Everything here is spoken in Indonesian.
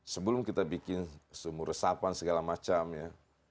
sebelum kita bikin sumur resapan segala macam ya